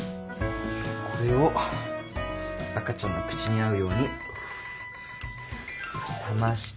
これを赤ちゃんの口に合うように冷ましたら。